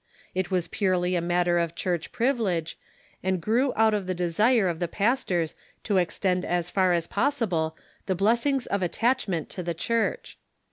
It Avas purely a matter of Church privilege, and grew out of the desire of the pastors to extend as far as possible the blessings of attachment to the Church.